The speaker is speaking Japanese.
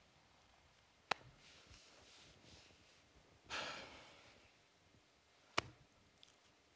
「はあ」。